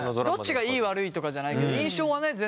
どっちがいい悪いとかじゃないけど印象はね